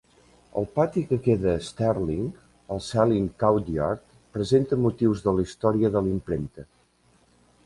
El pati que queda a Sterling, el Selin Courtyard, presenta motius de la història de la impremta.